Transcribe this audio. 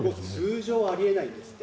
通常あり得ないんですって。